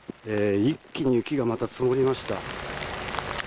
一気に雪がまた積もりました。